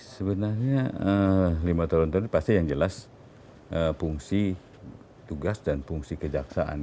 sebenarnya lima tahun terakhir pasti yang jelas fungsi tugas dan fungsi kejaksaan